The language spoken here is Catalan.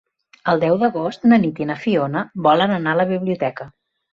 El deu d'agost na Nit i na Fiona volen anar a la biblioteca.